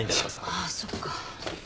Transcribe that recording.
ああそっか。